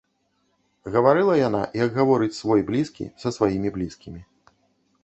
Гаварыла яна, як гаворыць свой блізкі са сваімі блізкімі.